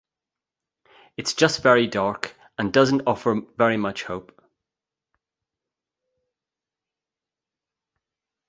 It's just very dark and doesn't offer very much hope.